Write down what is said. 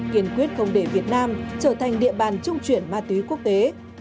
kiên quyết không để việt nam trở thành địa bàn trung chuyển ma túy quốc tế